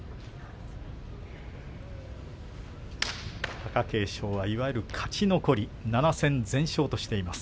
貴景勝はいわゆる勝ち残り、７戦全勝としています。